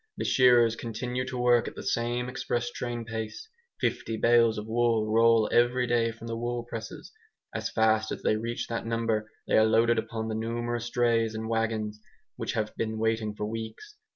The shearers continue to work at the same express train pace; fifty bales of wool roll every day from the wool presses; as fast as they reach that number they are loaded upon the numerous drays and wagons which have been waiting for weeks.